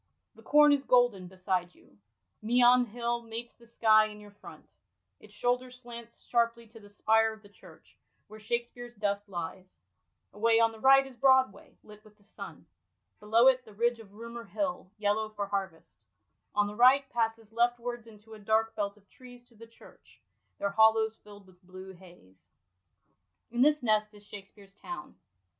The corn is golden beside you. Meon Hill meets the sky in your front ; its shoulder slants sharply to the spire of the church where Shakspere's dust lies : away on the right is Broadway, lit with the sun ; below it, the ridge of Roomer Hill, yellow for harvest, on the right, passes leftwards into a dark belt of trees to the church, their hollows filld with blue haze. In this nest is Shakspere's town.